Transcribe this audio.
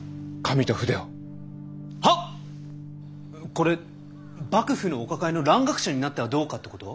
これ幕府のお抱えの蘭学者になってはどうかってこと？